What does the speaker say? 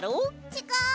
ちがう！